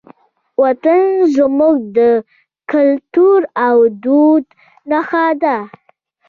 وطن زموږ د کلتور او دود نښه ده.